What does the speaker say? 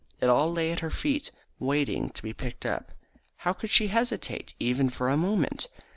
It all lay at her feet, waiting to be picked up. How could she have hesitated, even for a moment?